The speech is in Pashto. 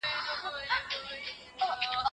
خلاق افراد له ماتې مایوسه نه کېږي.